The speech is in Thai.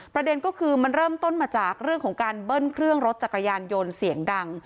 ประเด็นก็คือมันเริ่มต้นมาจากเรื่องของการเบิ้ลเครื่องรถจักรยานยนต์เสียงดัง